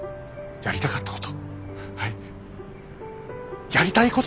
やりたかったこと！